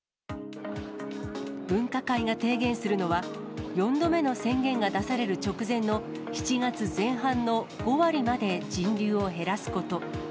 分科会が提言するのは、４度目の宣言が出される直前の７月前半の５割まで人流を減らすこと。